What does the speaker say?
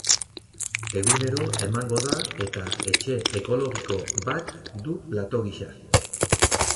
Egunero emango da eta etxe ekologiko bat du plato gisa.